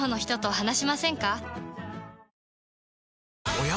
おや？